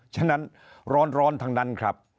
ฉะนั้นร้อนทั้งนั้นครับ